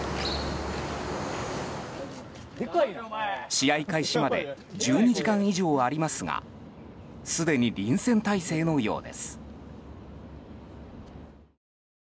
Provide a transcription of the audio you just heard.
試合開始まで１２時間以上ありますがすでに臨戦態勢のようです。